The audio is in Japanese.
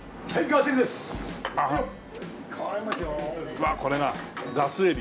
うわっこれがガスエビ。